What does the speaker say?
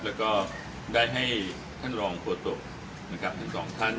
แล้วก็ได้ให้ท่านรองโฆษกนะครับทั้งสองท่าน